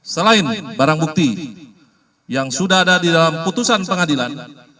selain barang bukti yang sudah ada di dalam putusan pengadilan